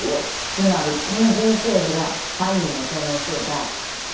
つまりこの准教授が犯人の可能性大。